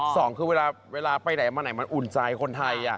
สองคือเวลามาไหนมาใหิ่ที่จะอุ่นใจคนไทย